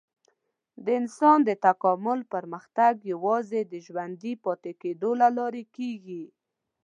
د انسان د تکامل پرمختګ یوازې د ژوندي پاتې کېدو له لارې کېږي.